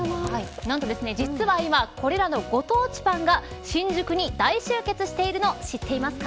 何と実は今これらのご当地パンが新宿に大集結しているのを知っていますか。